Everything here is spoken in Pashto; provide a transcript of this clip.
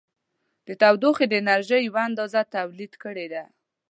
د تودوخې د انرژي یوه اندازه تولید کړې ده.